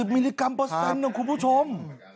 มิลลิกรัมเปอร์เซ็นต์นะคุณผู้ชม